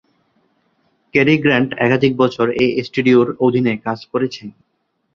Carry Grant একাধিক বছর এই স্টুডিওর অধীনে কাজ করেছেন।